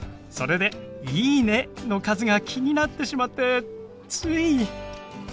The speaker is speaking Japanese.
それで「いいね」の数が気になってしまってつい。